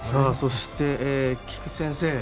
そして、菊地先生